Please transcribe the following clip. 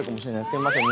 すいません。